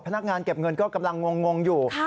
พนักงานเก็บเงินก็กำลังงงอยู่